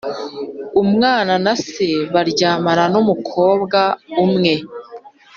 Umwana na se baryamana n’umukobwa umwe